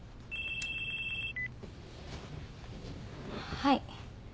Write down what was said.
はい。